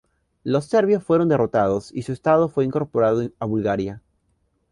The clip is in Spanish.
Los serbios fueron derrotados y su estado fue incorporado a Bulgaria.